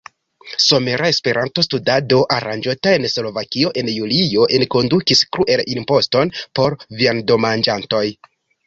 Somera Esperanto-Studado, aranĝota en Slovakio en julio, enkondukis "kruel-imposton" por viandomanĝantoj.